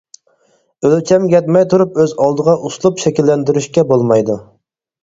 ئۆلچەمگە يەتمەي تۇرۇپ ئۆز ئالدىغا ئۇسلۇب شەكىللەندۈرۈشكە بولمايدۇ.